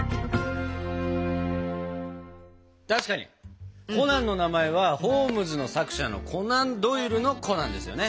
確かにコナンの名前はホームズの作者のコナン・ドイルの「コナン」ですよね。